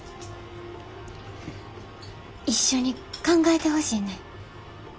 一緒に考えてほしいねん。